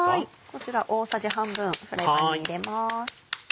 こちら大さじ半分フライパンに入れます。